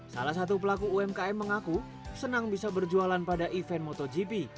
salah satu pelaku umkm mengaku senang bisa berjualan pada event motogp